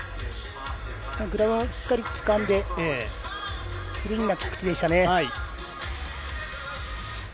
グラブもしっかりつかんでクリーンな着地でしたね。